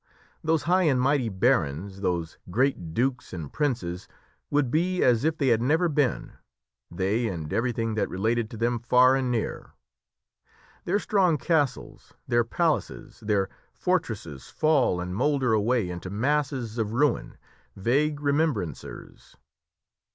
Those high and mighty barons, those great dukes and princes, would be as if they had never been they and everything that related to them far and near. Their strong castles, their palaces, their fortresses fall and moulder away into masses of ruin, vague remembrancers!